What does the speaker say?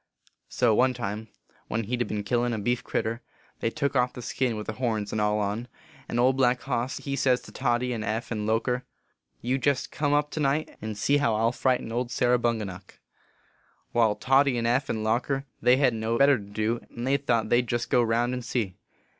So one time, when he d been killin a beef critter, they took off the skin with the horns and all on ; and Old Black Hoss he says to Toddy and Eph and Loker, You jest come up to night, and see how I ll frighten old Sarah Bunga nuck. " Wai, Toddy and Eph and Loker, they hedn t no better to do, and they thought they d jest go round and see.